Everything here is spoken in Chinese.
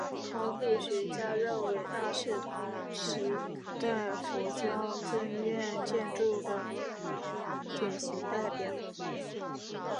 考古学家认为它是同时代佛教僧院建筑的典型代表。